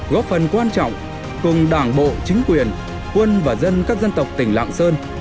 góp phần quan trọng cùng đảng bộ chính quyền quân và dân các dân tộc tỉnh lạng sơn